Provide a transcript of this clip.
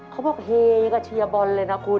เขาบอกเฮกับเชียร์บอลเลยนะคุณ